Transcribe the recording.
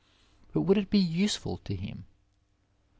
But would it be useful to him !